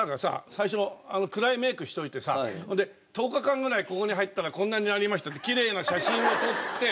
最初暗いメイクしておいてさ「１０日間ぐらいここに入ったらこんなになりました」ってきれいな写真を撮って。